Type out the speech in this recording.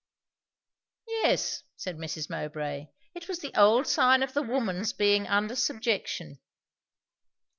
"Yes," said Mrs. Mowbray; "it was the old sign of the woman's being under subjection."